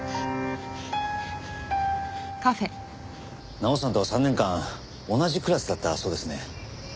奈緒さんとは３年間同じクラスだったそうですね。